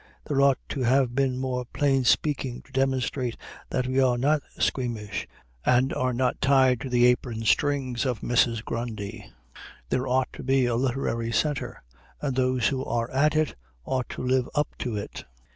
There ought to have been more plain speaking to demonstrate that we are not squeamish and are not tied to the apron strings of Mrs. Grundy. There ought to be a literary center and those who are at it ought to live up to it.